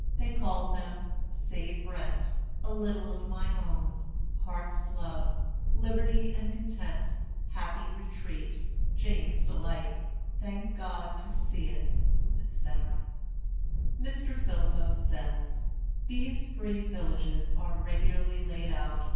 They called them "Save Rent," "A Little of My Own," "Heart's Love," "Liberty and Content," "Happy Retreat," "Jane's Delight," "Thank God to see It," &c. Mr. Phillippo says: "These free villages are regularly laid out.